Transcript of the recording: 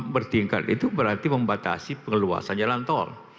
bertingkat itu berarti membatasi pengeluasan jalan tol